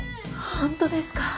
ホントですか？